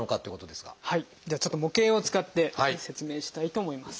ではちょっと模型を使って説明したいと思います。